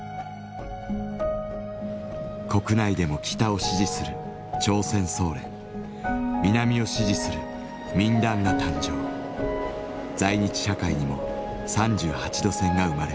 国内でも北を支持する「朝鮮総連」南を支持する「民団」が誕生在日社会にも３８度線が生まれます。